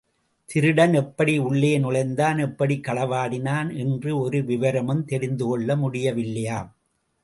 திருடன் எப்படி உள்ளே நுழைந்தான், எப்படிக் களவாடினான் என்று ஒரு விவரமும் தெரிந்துகொள்ள முடிய வில்லையாம்.